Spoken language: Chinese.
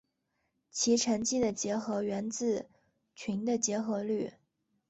其乘积的结合律源自群的结合律。